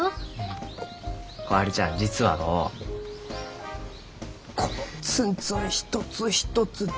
ん小春ちゃん実はのうこのツンツン一つ一つ全部花ながじゃ。